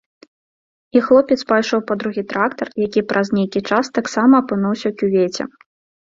І хлопец пайшоў па другі трактар, які праз нейкі час таксама апынуўся ў кювеце.